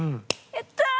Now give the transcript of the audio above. やったー！